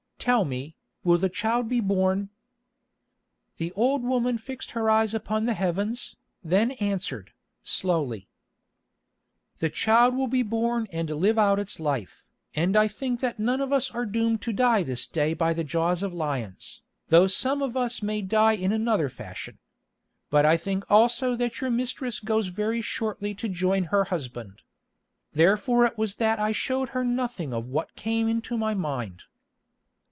Tell me, will the child be born?" The old woman fixed her eyes upon the heavens, then answered, slowly: "The child will be born and live out its life, and I think that none of us are doomed to die this day by the jaws of lions, though some of us may die in another fashion. But I think also that your mistress goes very shortly to join her husband. Therefore it was that I showed her nothing of what came into my mind."